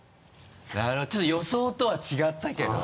なるほどちょっと予想とは違ったけど。